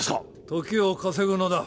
時を稼ぐのだ。